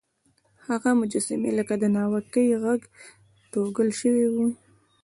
هغه مجسمې لکه د ناوکۍ غر توږل سوی وې.